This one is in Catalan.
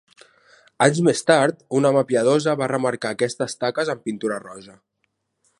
Anys més tard una mà piadosa va remarcar aquestes taques amb pintura roja.